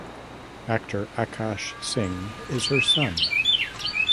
Actor Akash Singh is her son.